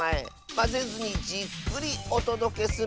まぜずにじっくりおとどけするのである。